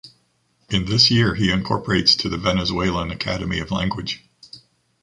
In this year he incorporates to the Venezuelan Academy of Language.